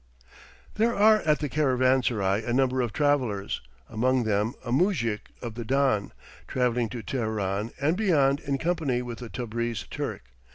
There are at the caravansarai a number of travellers, among them a moujik of the Don, travelling to Teheran and beyond in company with a Tabreez Turk.